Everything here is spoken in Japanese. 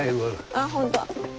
ああ本当！